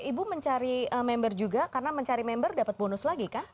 ibu mencari member juga karena mencari member dapat bonus lagi kah